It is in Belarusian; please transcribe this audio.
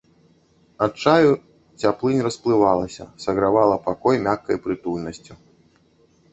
Ад чаю цяплынь расплывалася, сагравала пакой мяккай прытульнасцю.